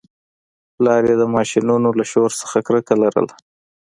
پلار یې د ماشینونو له شور څخه کرکه لرله